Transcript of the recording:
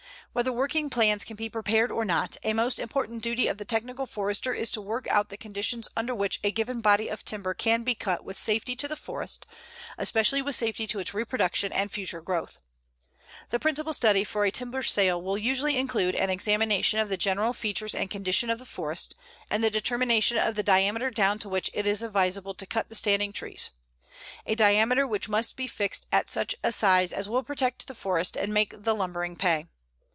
Whether working plans can be prepared or not, a most important duty of the technical Forester is to work out the conditions under which a given body of timber can be cut with safety to the forest, especially with safety to its reproduction and future growth. The principal study for a timber sale will usually include an examination of the general features and condition of the forest, and the determination of the diameter down to which it is advisable to cut the standing trees, a diameter which must be fixed at such a size as will protect the forest and make the lumbering pay.